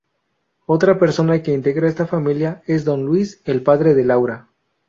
Otra persona que integra esta familia es Don Luis, el padre de Laura.